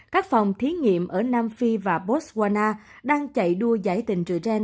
các phòng thí nghiệm ở nam phi và botswana đang chạy đua giải trình từ trên